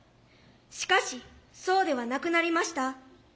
しかしそうではなくなりました。